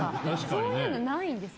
そういうのないんですか？